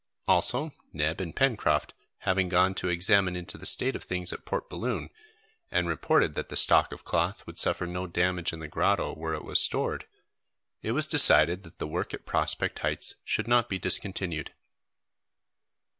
Also, Neb and Pencroft having gone to examine into the state of things at Port Balloon, and reported that the stock of cloth would suffer no damage in the grotto where it was stored, it was decided that the work at Prospect Heights should not be discontinued.